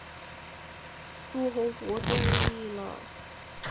江国为殷商至春秋时期华夏在河南一带建立的一个诸侯国。